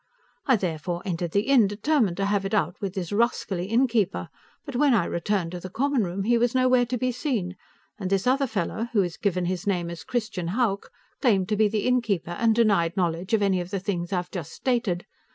I therefore entered the inn, determined to have it out with this rascally innkeeper, but when I returned to the common room, he was nowhere to be seen, and this other fellow, who has given his name as Christian Hauck, claimed to be the innkeeper and denied knowledge of any of the things I have just stated.